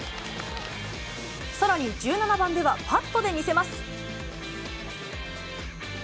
さらに１７番では、パットで見せます。